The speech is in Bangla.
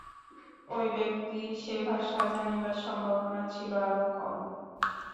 ঐ ব্যক্তির সে ভাষা জানিবার সম্ভাবনা ছিল আরও কম।